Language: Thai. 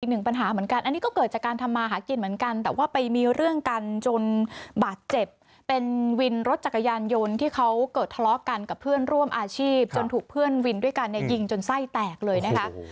อีกหนึ่งปัญหาเหมือนกันอันนี้ก็เกิดจากการทำมาหากินเหมือนกันแต่ว่าไปมีเรื่องกันจนบาดเจ็บเป็นวินรถจักรยานยนต์ที่เขาเกิดทะเลาะกันกับเพื่อนร่วมอาชีพจนถูกเพื่อนวินด้วยกันเนี่ยยิงจนไส้แตกเลยนะคะ